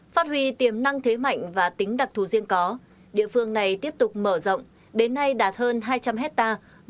phát huy tiềm năng thế mạnh và tính đặc thù riêng có địa phương này tiếp tục mở rộng đến nay đạt hơn hai trăm linh hectare